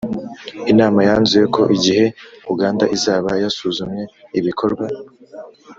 inama yanzuye ko igihe uganda izaba yasuzumye ibikorwa